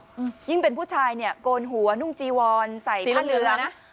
อืมยิ่งเป็นผู้ชายเนี่ยโกนหัวนุ่งจีวอนใส่ผ้าเหลืองนะ